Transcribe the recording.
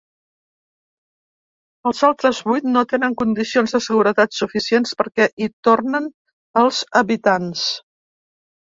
Els altres vuit no tenen condicions de seguretat suficients perquè hi tornen els habitants.